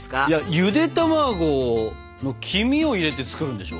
ゆで卵の黄身を入れて作るんでしょ？